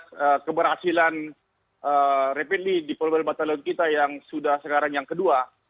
kita melihat keberhasilan rapid lead di polbel batalion kita yang sudah sekarang yang kedua